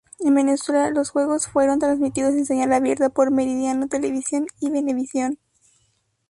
En Venezuela los juegos fueron transmitidos en señal abierta por Meridiano Televisión y Venevisión.